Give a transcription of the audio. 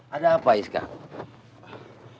ada apa iskandar